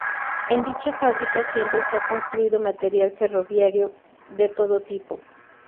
En dicha fábrica siempre se ha construido material ferroviario de todo tipo.